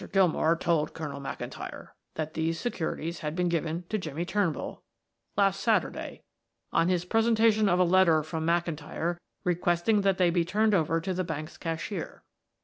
Gilmore told Colonel McIntyre that these securities had been given to Jimmie Turnbull last Saturday on his presentation of a letter from McIntyre requesting that they be turned over to the bank's cashier.